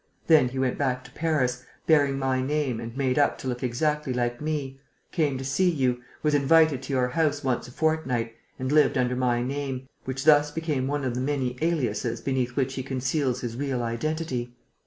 Then he went back to Paris, bearing my name and made up to look exactly like me, came to see you, was invited to your house once a fortnight and lived under my name, which thus became one of the many aliases beneath which he conceals his real identity.